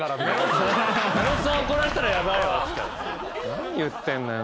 何言ってんだよ